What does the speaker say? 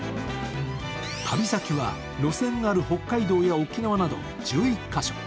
旅先は路線のある北海道や沖縄など１１カ所。